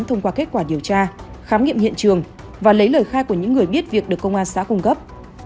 thông qua kết quả điều tra khám nghiệm hiện trường và lấy lời khai của những người biết việc được công an xã cung cấp